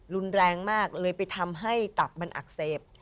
รุนแรงมากเลยไปทำให้ตับมันอักเสบ